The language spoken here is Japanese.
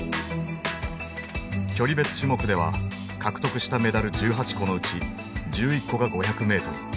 距離別種目では獲得したメダル１８個のうち１１個が５００ｍ。